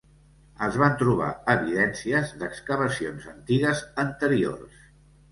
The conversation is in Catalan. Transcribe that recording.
Es van trobar evidències d'excavacions antigues anteriors.